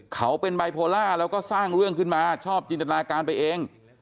เขาเป็นไบโพล่าแล้วก็สร้างเรื่องขึ้นมาชอบจินตนาการไปเอง